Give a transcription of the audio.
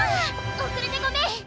おくれてごめん！